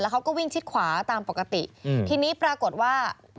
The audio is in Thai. เขาก็วิ่งชิดขวาตามปกติอืมทีนี้ปรากฏว่า